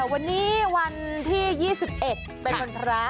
วันนี้วันที่๒๑เป็นวันพระ